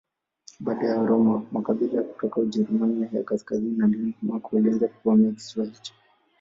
Baada ya Waroma makabila kutoka Ujerumani ya kaskazini na Denmark walianza kuvamia kisiwa hicho.